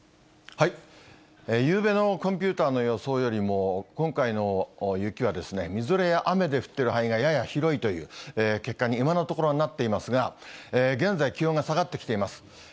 ゆうべのコンピューターの予想よりも、今回の雪は、みぞれや雨で降ってる範囲がやや広いという結果に今のところはなっていますが、現在、気温が下がってきています。